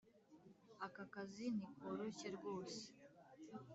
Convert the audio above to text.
Aka kazi ntikoroshye rwose